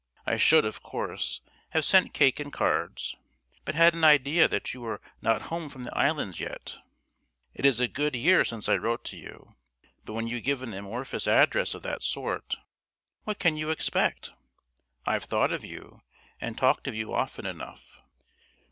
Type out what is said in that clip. I should, of course, have sent cake and cards, but had an idea that you were not home from the Islands yet. It is a good year since I wrote to you; but when you give an amorphous address of that sort, what can you expect? I've thought of you, and talked of you often enough.